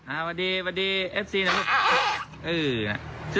อ่าวันดีวันดีเอฟซีนะลูก